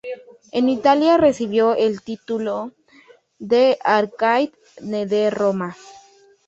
En Italia, recibió el título de "Arcade" de Roma.